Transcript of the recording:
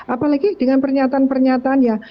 apalagi dengan pernyataan pernyataan ya